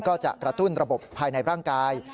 กระตุ้นระบบภายในร่างกาย